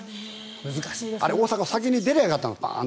あれ、大迫先に出ればよかったの。